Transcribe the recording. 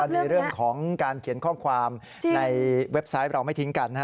ในเรื่องของการเขียนข้อความในเว็บไซต์เราไม่ทิ้งกัน